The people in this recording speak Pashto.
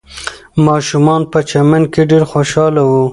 ماشومان په چمن کې ډېر خوشحاله وو.